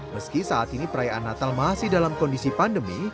meski saat ini perayaan natal masih dalam kondisi pandemi